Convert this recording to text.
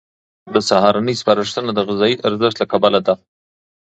د سهارنۍ سپارښتنه د غذایي ارزښت له کبله ده.